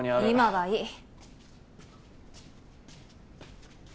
今はいい。